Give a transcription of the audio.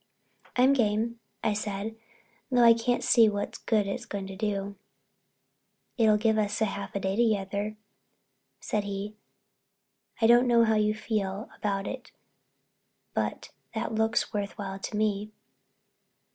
"I'm game," I said, "though I can't see what good it's going to do." "It'll give us a half day together," said he. "I don't know how you feel about it but that looks worth while to me."